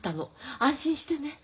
安心してね。